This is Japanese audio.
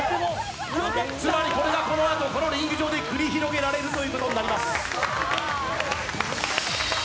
つまりこれがこのあと、リング上で繰り広げられるということになります。